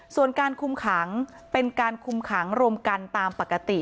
ส่วนการคุมขังเป็นการคุมขังรวมกันตามปกติ